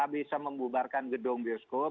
bisa membubarkan gedung bioskop